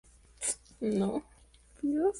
Eso es poder.